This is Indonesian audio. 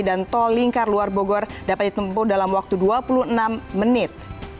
dan tol lingkar luar bogor dapat ditempu dalam waktu dua puluh enam menit